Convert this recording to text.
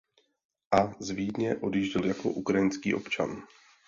A z Vídně odjížděl jako ukrajinský občan.